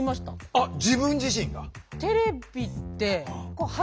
あっ自分自身が？